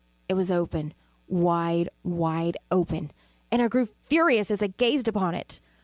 It was open wide, wide open and I grew furious as I gazed upon it.